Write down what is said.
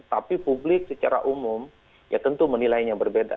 tapi publik secara umum ya tentu menilainya berbeda